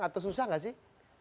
atau susah nggak sih